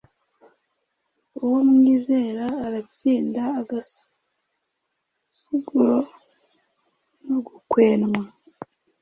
uwo mwizera azatsinda agasuzuguro no gukwenwa.